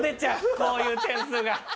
こういう点数が。